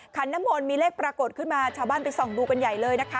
ขันน้ำมนต์มีเลขปรากฏขึ้นมาชาวบ้านไปส่องดูกันใหญ่เลยนะคะ